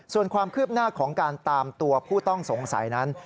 ส่วนความคืบหน้าของการตามตัวผู้ต้องสงสัยนั้น